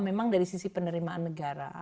memang dari sisi penerimaan negara